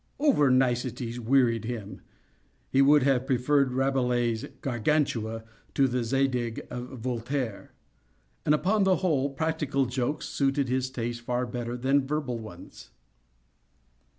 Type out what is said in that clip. Over niceties wearied him. He would have preferred Rabelais' "Gargantua" to the "Zadig" of Voltaire: and, upon the whole, practical jokes suited his taste far better than verbal ones.